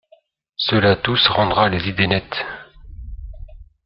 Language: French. Cela tous rendra les idées nettes.